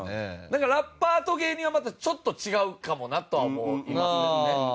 なんかラッパーと芸人はまたちょっと違うかもなとは思いますよねうん。